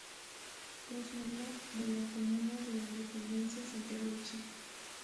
Cruz Melo de la comuna de Independencia, Santiago de Chile.